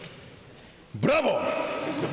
ブラボー！